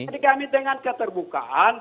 jadi kami dengan keterbukaan